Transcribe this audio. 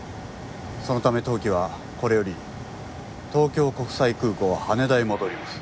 そのため当機はこれより東京国際空港羽田へ戻ります。